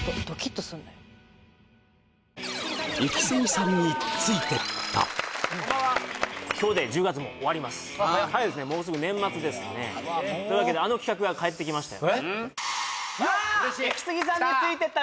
さらに今日で１０月も終わります早いですねもうすぐ年末ですねというわけであの企画が帰ってきましたよ